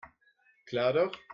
Klar doch.